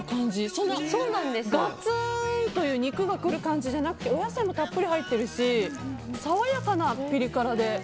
そんな、ガツンと肉がくる感じじゃなくてお野菜もたっぷり入ってるし爽やかなピリ辛で。